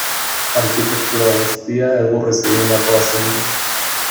Arkitektura guztia egurrez egindakoa zen.